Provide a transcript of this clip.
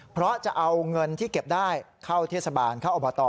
เพราะจะเอาเงินที่เก็บได้เข้าเทศบาลเข้าอบต